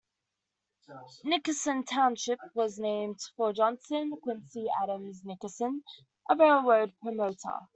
Nickerson Township was named for John Quincy Adams Nickerson, a railroad promoter.